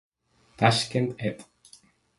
Tashkent, ed.